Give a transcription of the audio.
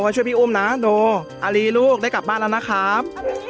ช่วยพี่อุ้มนะโดอารีลูกได้กลับบ้านแล้วนะครับ